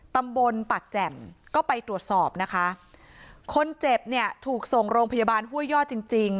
ตำบลปากแจ่มก็ไปตรวจสอบนะคะคนเจ็บเนี่ยถูกส่งโรงพยาบาลห้วยย่อจริงจริง